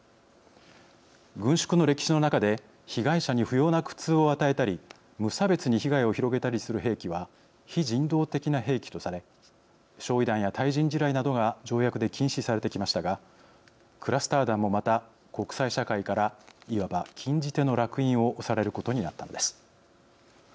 軍縮の歴史の中で被害者に不要な苦痛を与えたり無差別に被害を広げたりする兵器は非人道的な兵器とされ焼い弾や対人地雷などが条約で禁止されてきましたがクラスター弾もまた国際社会からいわば禁じ手のらく印を押されることになったのです。